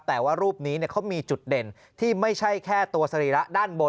แต่ว่ารูปนี้เขามีจุดเด่นที่ไม่ใช่แค่ตัวสรีระด้านบน